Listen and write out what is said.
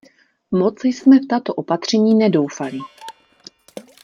Moc jsme v tato opatření nedoufali.